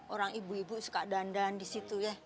orang ibu ibu suka dandan di situ ya